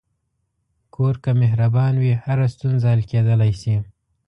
کور که مهربان وي، هره ستونزه حل کېدلی شي.